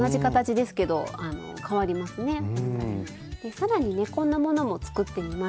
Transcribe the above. さらにねこんなものも作ってみました。